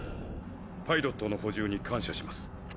パイロットの補充に感謝します。